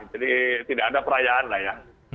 jadi tidak ada perayaan lah ya